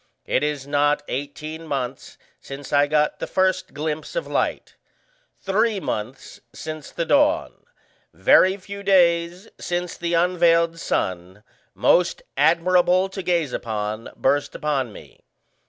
It is not eighteen months since I got the first glimpse of light, three months since the dawn, very few days since the unveiled sun, most admirable to gaze upon, burst upon me.